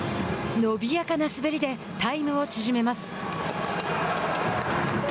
伸びやかな滑りでタイムを縮めます。